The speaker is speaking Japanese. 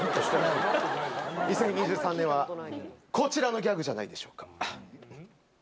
２０２３年はこちらのギャグじゃないでしょうか。